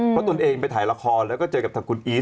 เพราะตนเองไปถ่ายละครแล้วก็เจอกับทางคุณอีท